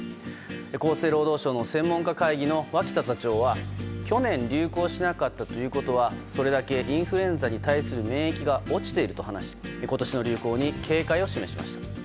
厚生労働省の専門家会議の脇田座長は、去年流行しなかったということはそれだけインフルエンザに対する免疫が落ちていると話し今年の流行に警戒を示しました。